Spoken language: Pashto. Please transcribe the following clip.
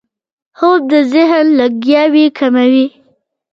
خوب د ذهن لګیاوي کموي